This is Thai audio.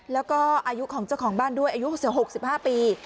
แล้วก็อายุของเจ้าของบ้านด้วยอายุ๖๕ปี